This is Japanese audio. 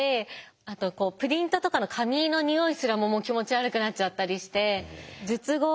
あとプリントとかの紙のにおいすらも気持ち悪くなっちゃったりして術後